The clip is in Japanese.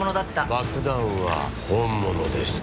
爆弾は本物でした。